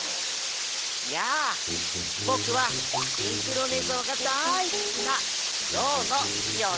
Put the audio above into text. やあぼくはシンクロねぞうがだいすきなゾウのよしパオ！